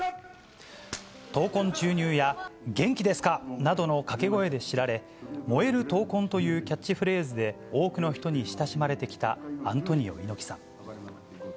闘魂注入や元気ですかーなどの掛け声で知られ、燃える闘魂というキャッチフレーズで、多くの人に親しまれてきたアントニオ猪木さん。